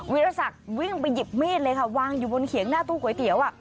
วิรสักวิ่งไปหยิบมีดเลยค่ะวางอยู่บนเขียงหน้าตู้ก๋วยเตี๋ยว